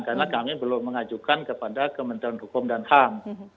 karena kami belum mengajukan kepada kementerian hukum dan ham